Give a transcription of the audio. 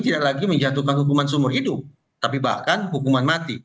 tidak lagi menjatuhkan hukuman seumur hidup tapi bahkan hukuman mati